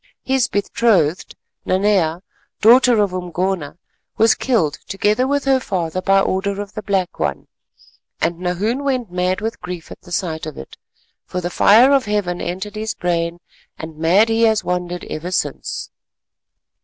His betrothed, Nanea, daughter of Umgona, was killed together with her father by order of the Black One, and Nahoon went mad with grief at the sight of it, for the fire of Heaven entered his brain, and mad he has wandered ever since."